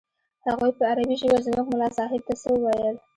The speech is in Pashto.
هغوى په عربي ژبه زموږ ملا صاحب ته څه وويل.